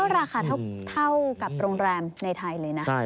ราคาเท่ากับโรงแรมในไทยเลยนะ